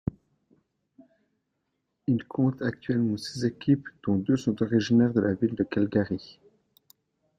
Il compte actuellement six équipes, dont deux sont originaires de la ville de Cagliari.